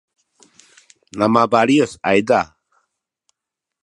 mabaliyus ayza